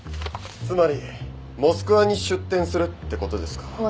つまりモスクワに出店するってことですか？